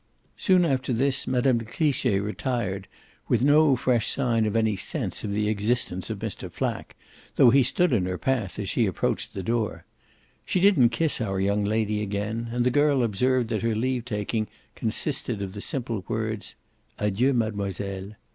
Soon after this Mme. de Cliche retired with no fresh sign of any sense of the existence of Mr. Flack, though he stood in her path as she approached the door. She didn't kiss our young lady again, and the girl observed that her leave taking consisted of the simple words "Adieu mademoiselle."